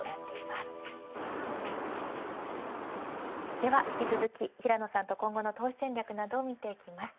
では引き続き平野さんと今後の投資戦略を見ていきます。